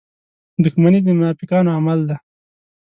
• دښمني د منافقانو عمل دی.